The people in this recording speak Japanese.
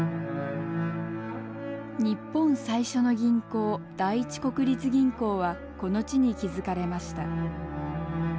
日本最初の銀行第一国立銀行はこの地に築かれました。